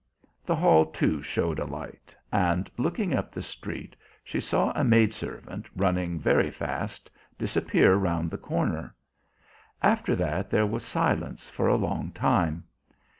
The hall, too, showed a light, and, looking up the street, she saw a maidservant, running very fast, disappear round the corner. After that there was silence for a long time.